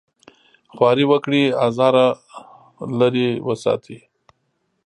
خواري وکړي ازاره لرې وساتي.